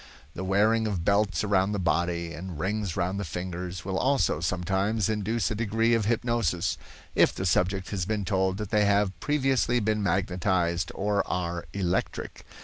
The wearing of belts around the body, and rings round the fingers, will also, sometimes, induce a degree of hypnosis, if the subject has been told that they have previously been magnetized or are electric.